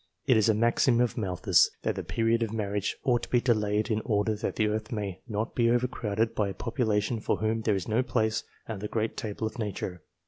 It is a maxim of Malthus that the period of marriage ought to be delayed in order that the earth may not be overcrowded by a population for whom there is no place at the great table of nature.